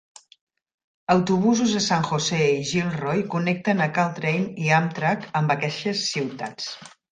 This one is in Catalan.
Autobusos a San José i Gilroy connecten a Caltrain i Amtrak amb aqueixes ciutats.